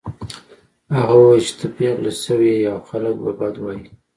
هغه وویل چې ته پیغله شوې يې او خلک به بد وايي